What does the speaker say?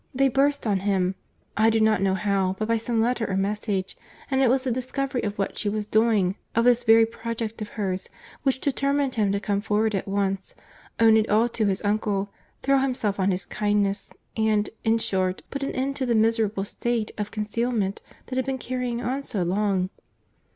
They burst on him, I do not know how, but by some letter or message—and it was the discovery of what she was doing, of this very project of hers, which determined him to come forward at once, own it all to his uncle, throw himself on his kindness, and, in short, put an end to the miserable state of concealment that had been carrying on so long."